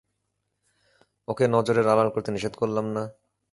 ওকে নজরের আড়াল করতে নিষেধ করলাম না?